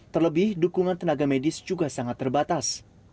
terlebih dukungan tenaga medis juga sangat terbatas